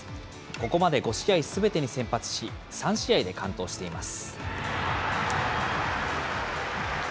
ここまで５試合すべてに先発し、３試合で完投しています。